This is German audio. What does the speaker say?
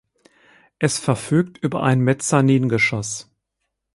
Es verfügt über ein Mezzaningeschoss.